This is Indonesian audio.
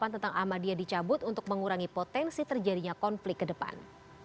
tentang ahmadiyah dicabut untuk mengurangi potensi terjadinya konflik ke depan